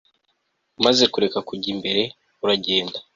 umaze kureka kujya imbere uragenda